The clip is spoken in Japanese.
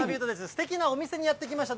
すてきなお店にやって来ました。